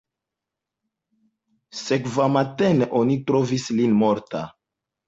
Sekvamatene oni trovis lin morta.